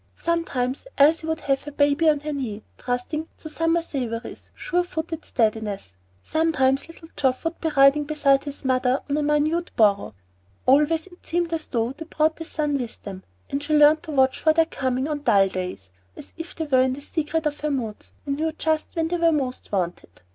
Sometimes Elsie would have her baby on her knee, trusting to "Summer Savory's" sure footed steadiness; sometimes little Geoff would be riding beside his mother on a minute burro. Always it seemed as though they brought the sun with them; and she learned to watch for their coming on dull days, as if they were in the secret of her moods and knew just when they were most wanted.